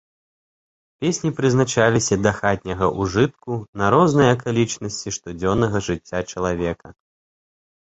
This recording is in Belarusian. Песні прызначаліся да хатняга ўжытку на розныя акалічнасці штодзённага жыцця чалавека.